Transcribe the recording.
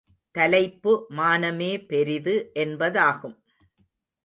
தலைப்பு மானமே பெரிது என்பதாகும்.